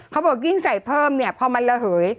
บอกยิ่งใส่เพิ่มเนี่ยพอมันระเหย